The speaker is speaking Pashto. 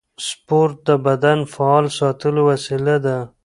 سپورت د بدن فعال ساتلو وسیله ده.